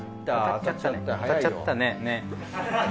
当たっちゃったねねっ。